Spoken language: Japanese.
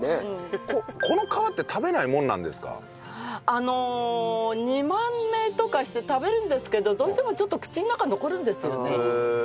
あの煮豆とかにして食べるんですけどどうしてもちょっと口の中残るんですよね。